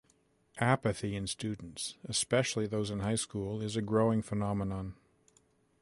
Apathy in students, especially those in high school, is a growing phenomenon.